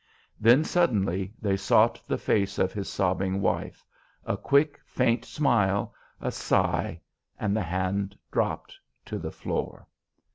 Then suddenly they sought the face of his sobbing wife, a quick, faint smile, a sigh, and the hand dropped to the floor.